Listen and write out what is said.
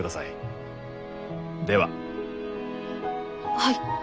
はい。